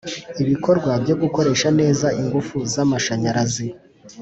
ibikorwa byo gukoresha neza ingufu z’amashanyarazi